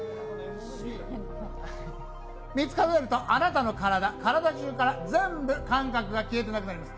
３つ数えるとあなたの体、体中から全部感覚が消えてなくなります。